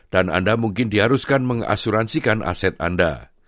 dan anda mungkin diharuskan mengasuransikan aset anda